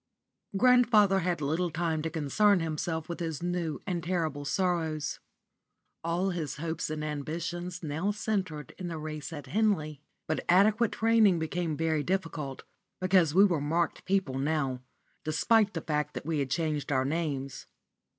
*_ Grandfather had little time to concern himself with his new and terrible sorrows. All his hopes and ambitions now centred in the race at Henley; but adequate training became very difficult, because we were marked people now, despite the fact that we had changed our names.